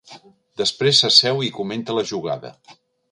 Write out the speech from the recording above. Després s'asseu i comenta la jugada.